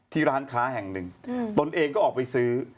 ร้านค้าแห่งหนึ่งตนเองก็ออกไปซื้อ